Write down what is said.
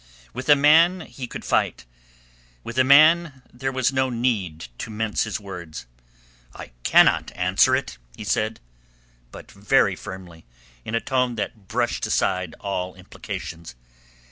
With a man he could fight; with a man there was no need to mince his words. "I cannot answer it," he said, but very firmly, in a tone that brushed aside all implications.